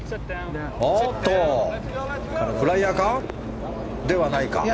フライヤーか？ではないか。